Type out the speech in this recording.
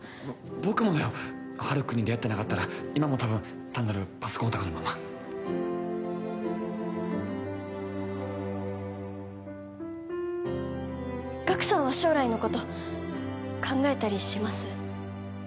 僕もだよハルくんに出会ってなかったら今も多分単なるパソコンオタクのままガクさんは将来のこと考えたりします？